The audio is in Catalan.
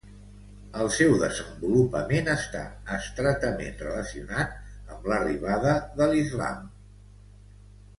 El seu desenvolupament està estretament relacionat amb l'arribada de l'Islam.